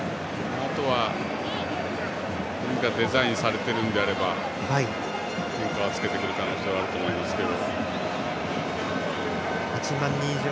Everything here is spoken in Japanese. あとはデザインされているのであれば変化をつけてくる可能性はあると思いますけど。